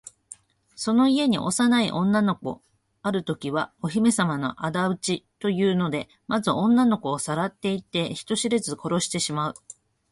その家に幼い女の子があるときは、お姫さまのあだ討ちだというので、まず女の子をさらっていって、人知れず殺してしまう。